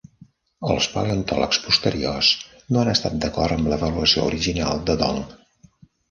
Els paleontòlegs posteriors no han estat d'acord amb l'avaluació original de Dong.